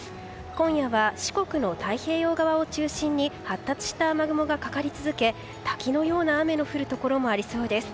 今夜は四国の太平洋側を中心に発達した雨雲がかかり続け滝のような雨の降るところもありそうです。